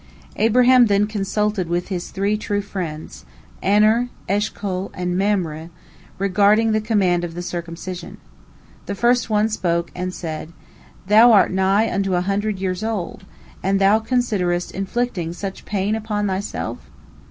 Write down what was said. " Abraham then consulted with his three true friends, Aner, Eshcol, and Mamre, regarding the command of the circumcision. The first one spoke, and said, "Thou art nigh unto a hundred years old, and thou considerest inflicting such pain upon thyself?"